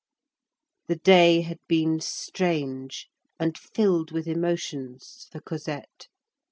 The day had been strange and filled with emotions for Cosette.